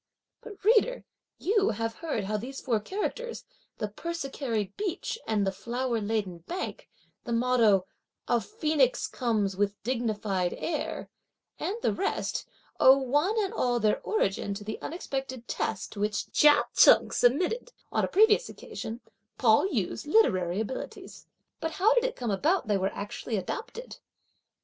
But, reader, you have heard how that these four characters "the persicary beach and the flower laden bank," the motto "a phoenix comes with dignified air," and the rest owe one and all their origin to the unexpected test to which Chia Cheng submitted, on a previous occasion, Pao yü's literary abilities; but how did it come about that they were actually adopted?